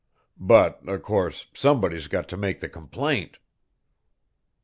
But, o' course, somebody's got to make the complaint."